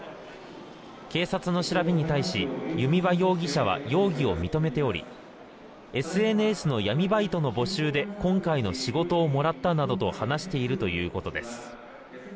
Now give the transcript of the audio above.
警察の調べに対し弓場容疑者は容疑を認めておりＳＮＳの闇バイトの募集で今回の仕事をもらったなどと話しているということです。